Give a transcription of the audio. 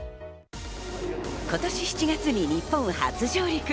今年７月に日本初上陸。